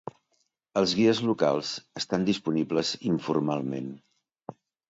Els guies locals estan disponibles informalment.